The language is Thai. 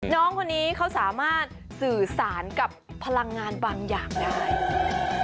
น้องคนนี้เขาสามารถสื่อสารกับพลังงานบางอย่างได้